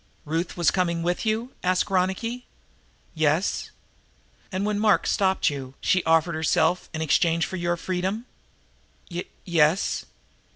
"Ruth was coming with you?" asked Ronicky. "Yes." "And when Mark stopped you she offered herself in exchange for your freedom?" "Y yes!"